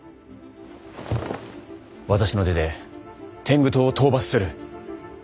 私の手で天狗党を討伐する。